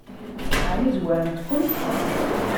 Ɛni zwarent-kent?